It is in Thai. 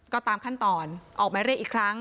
ก็ตามขั้นตอนออกมาเรียกอีกครั้ง